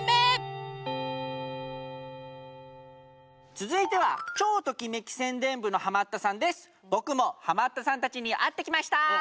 続いては僕もハマったさんたちに会ってきました！